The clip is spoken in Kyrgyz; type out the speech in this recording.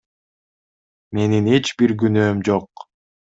Менин эч бир күнөөм жок.